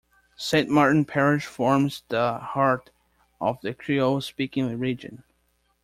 St. Martin Parish forms the heart of the Creole-speaking region.